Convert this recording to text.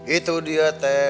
itu dia teh